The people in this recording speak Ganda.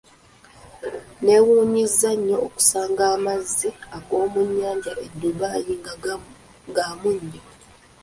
Neewuunyizza nnyo okusanga amazzi g'omu nnyanja e Dubai nga gamunnyo.